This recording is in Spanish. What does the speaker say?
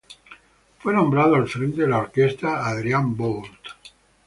Fue nombrado al frente de la orquesta Adrian Boult.